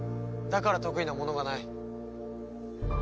だから得意なものがない。